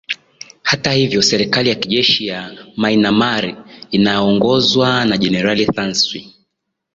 hata hivyo serikali yakijeshi ya mynamar inayoongozwa na generali thanswi